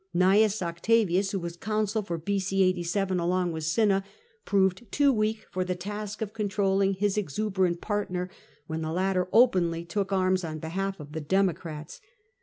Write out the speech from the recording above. Gn. Octavius, who was consul for B.c. 87 along with Cinna, proved too weak for the task of controlling his exuberant partner, when the latter openly took arms on behalf of the Democrats.